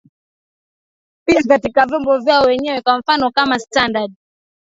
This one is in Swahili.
pia katika vyombo vyao wenyewe kwa mfano kama standard